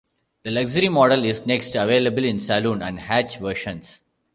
The Luxury model is next available in saloon and hatch versions.